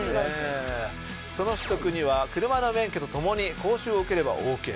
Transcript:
その取得には車の免許とともに講習を受ければオーケー。